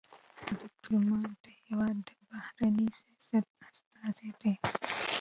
ډيپلومات د هېواد د بهرني سیاست استازی دی.